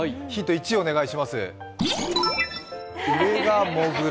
１お願いします。